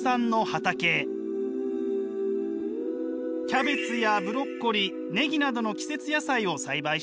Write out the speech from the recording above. キャベツやブロッコリーネギなどの季節野菜を栽培しています。